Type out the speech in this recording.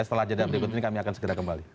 setelah jadwal berikut ini kami akan segera kembali